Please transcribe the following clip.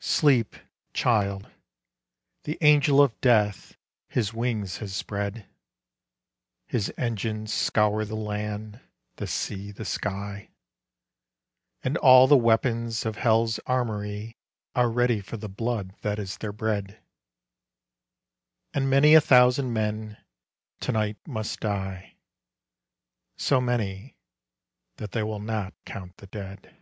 Sleep, child, the Angel of Death his wings has spread; His engines scour the land, the sea, the sky; And all the weapons of Hell's armoury Are ready for the blood that is their bread; And many a thousand men to night must die, So many that they will not count the Dead.